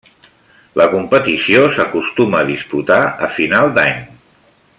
La competició s'acostuma a disputar a final d'any.